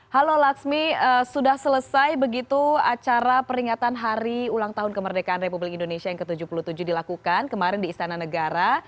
halo laksmi sudah selesai begitu acara peringatan hari ulang tahun kemerdekaan republik indonesia yang ke tujuh puluh tujuh dilakukan kemarin di istana negara